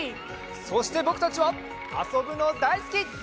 そしてぼくたちはあそぶのだいすき。